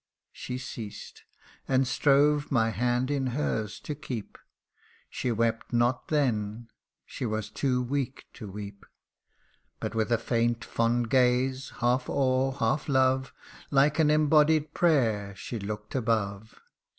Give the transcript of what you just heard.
She ceased, and strove my hand in her's to keep : She wept not then she was too weak to weep But with a faint fond gaze, half awe, half love, Like an embodied prayer, she look'd above.